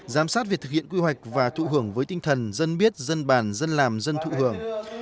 giám sát việc thực hiện quy hoạch và thụ hưởng với tinh thần dân biết dân bàn dân làm dân thụ hưởng